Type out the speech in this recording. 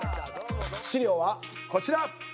資料はこちら！